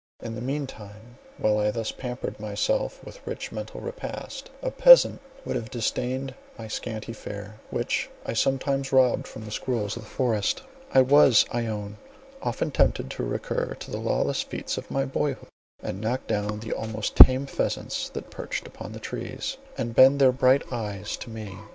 In the mean time, while I thus pampered myself with rich mental repasts, a peasant would have disdained my scanty fare, which I sometimes robbed from the squirrels of the forest. I was, I own, often tempted to recur to the lawless feats of my boy hood, and knock down the almost tame pheasants that perched upon the trees, and bent their bright eyes on me.